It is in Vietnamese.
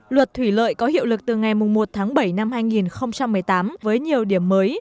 luật thủy lợi có hiệu lực từ ngày một bảy hai nghìn một mươi tám với nhiều điểm mới